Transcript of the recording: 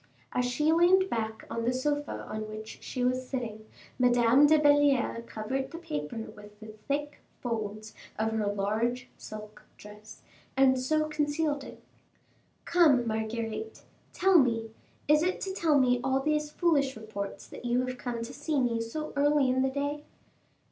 As she leaned back on the sofa on which she was sitting, Madame de Belliere covered the paper with the thick folds of her large silk dress, and so concealed it. "Come, Marguerite, tell me, is it to tell me all these foolish reports that you have come to see me so early in the day?"